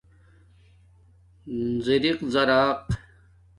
زَرق زارق